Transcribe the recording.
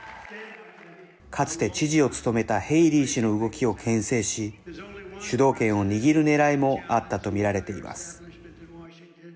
かつて知事を務めたヘイリー氏の動きをけん制し主導権を握るねらいもあったと見られています。